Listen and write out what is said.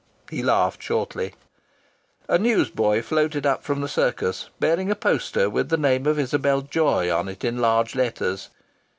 He laughed shortly. A newsboy floated up from the Circus bearing a poster with the name of Isabel Joy on it in large letters.